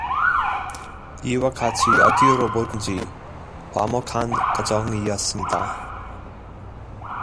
이와 같이 어디로 보든지 화목한 가정이었습니다